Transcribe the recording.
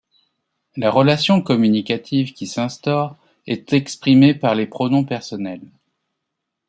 La relation communicative qui s'instaure est exprimée par les pronoms personnels.